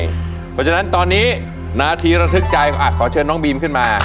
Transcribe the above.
เพราะฉะนั้นตอนนี้นาทีระทึกใจขอเชิญน้องบีมขึ้นมา